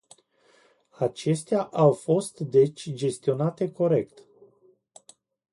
Acestea au fost deci gestionate corect.